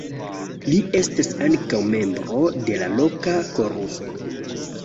Li estas ankaŭ membro de la loka koruso.